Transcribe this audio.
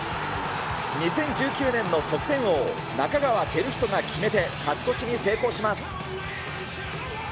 ２０１９年の得点王、仲川輝人が決めて、勝ち越しに成功します。